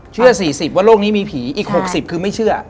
เชื่อ๔๐ว่าโลกนี้มีผีอีก๖๐คือไม่เชื่อ